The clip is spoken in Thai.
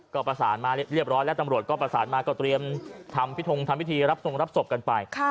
ก็ประสานมาเรียบร้อยแล้วตำรวจก็ประสานมาก็เตรียมทำพิทงทำพิธีรับทรงรับศพกันไป